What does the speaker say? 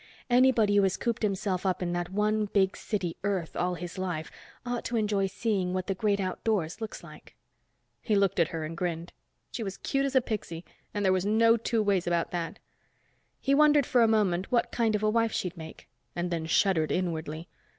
Anybody who has cooped himself up in that one big city, Earth, all his life ought to enjoy seeing what the great outdoors looks like." He looked at her and grinned. She was cute as a pixie, and there were no two ways about that. He wondered for a moment what kind of a wife she'd make. And then shuddered inwardly.